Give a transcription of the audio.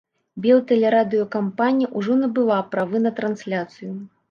Белтэлерадыёкампанія ўжо набыла правы на трансляцыю.